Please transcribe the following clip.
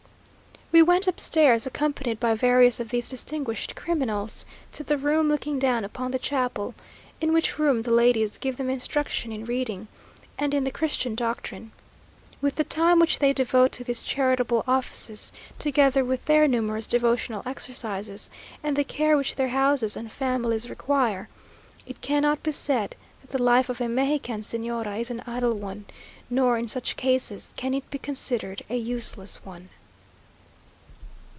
We went upstairs, accompanied by various of these distinguished criminals, to the room looking down upon the chapel, in which room the ladies give them instruction in reading, and in the Christian doctrine. With the time which they devote to these charitable offices, together with their numerous devotional exercises, and the care which their houses and families require, it cannot be said that the life of a Mexican Señora is an idle one; nor, in such cases, can it be considered a useless one.